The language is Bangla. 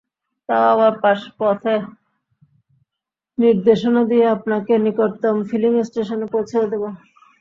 তাও আবার পথের নির্দেশনা দিয়ে আপনাকে নিকটতম ফিলিং স্টেশনে পৌঁছেও দেবে।